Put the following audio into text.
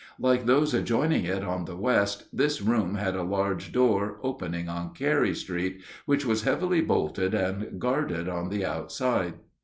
Like those adjoining it on the west, this room had a large door opening on Carey street, which was heavily bolted and guarded on the outside.